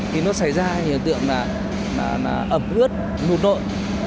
thì nó xảy ra thì tưởng là ẩm ướt nụ nội